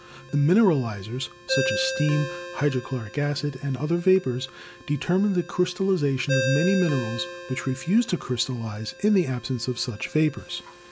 The mineraliz ers, such as steam, hydrochloric acid, and other vapors, determine the crystallization of many minerals which re fuse to crystallize in the absence of such vapors.